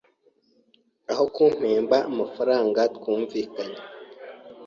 aho kumpemba amafaranga twumvikanye,